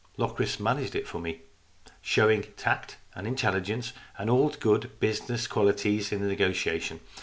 Locris managed it for me, showing tact and intelligence and all good business qualities in the negotiation.